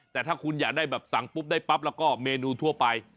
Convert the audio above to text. แต่ถ้าคุณอยากได้แบบสั่งปุ๊บได้ปั๊บแล้วก็เมนูทั่วไป